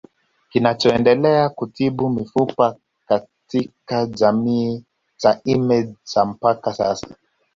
Kinachoendelea kutibu mifupa katika kijiji cha Image cha mpaka sasa